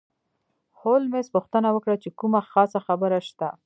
هولمز پوښتنه وکړه چې کومه خاصه خبره شته.